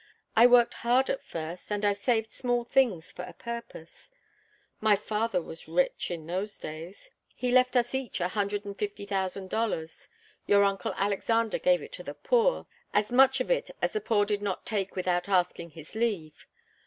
"I worked hard at first, and I saved small things for a purpose. My father was rich in those days. He left us each a hundred and fifty thousand dollars. Your uncle Alexander gave it to the poor as much of it as the poor did not take without asking his leave.